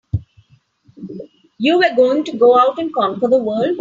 You were going to go out and conquer the world!